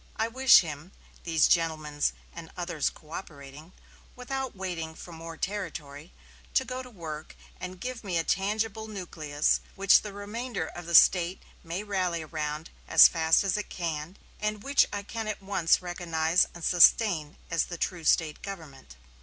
I wish him these gentlemen and others coöperating without waiting for more territory, to go to work and give me a tangible nucleus which the remainder of the State may rally around as fast as it can, and which I can at once recognize and sustain as the true State government."